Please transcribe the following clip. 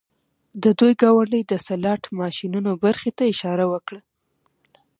د دوی ګاونډۍ د سلاټ ماشینونو برخې ته اشاره وکړه